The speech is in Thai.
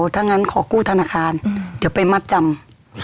ถ้างั้นขอกู้ธนาคารเดี๋ยวไปมัดจำ